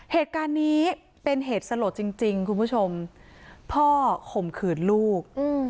เหตุการณ์นี้เป็นเหตุสลดจริงจริงคุณผู้ชมพ่อข่มขืนลูก